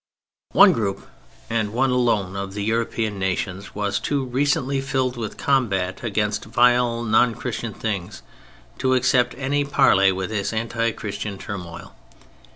One group, and one alone, of the European nations was too recently filled with combat against vile non Christian things to accept any parley with this anti Christian turmoil.